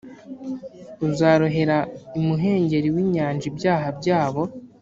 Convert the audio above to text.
uzarohera imuhengeri w’inyanja ibyaha byabo